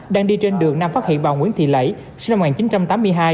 đang đi trên đường nam phát hiện bà nguyễn thị lẫy sinh năm một nghìn chín trăm tám mươi hai